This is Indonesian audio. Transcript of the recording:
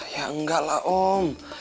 ya enggak lah om